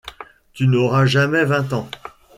tu n’auras jamais vingt ans. ..